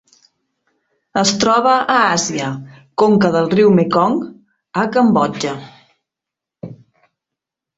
Es troba a Àsia: conca del riu Mekong a Cambodja.